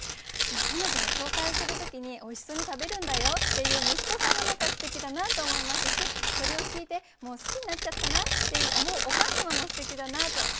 その彼女の紹介をする時に「おいしそうに食べるんだよ」って言う息子さんも何かすてきだなと思いますしそれを聞いて「もう好きになっちゃったな」って思うお母様もすてきだなと。